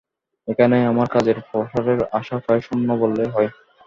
এখানে আমার কাজের প্রসারের আশা প্রায় শূন্য বললেই হয়।